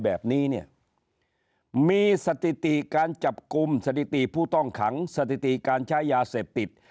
แบบนี้เนี่ยมีสถิติการจับกลุ่มสถิติผู้ต้องขังสถิติการใช้ยาเสพติด